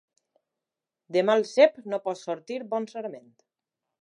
De mal cep no pot sortir bon sarment.